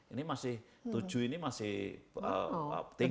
ini masih tujuh ini masih tiga